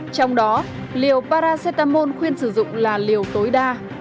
trong đó liều paracetamol khuyên sử dụng là liều tối đa